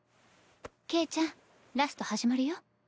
ケイちゃんラスト始まるよ。